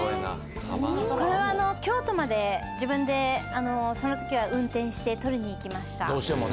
これは京都まで自分でその時は運転して取りに行きました。